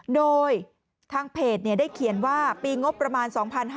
โดยทางเพจได้เขียนว่าปีงบประมาณ๒๕๕๙